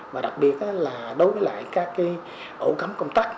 và đặc biệt là đối với các ổ cắm công tác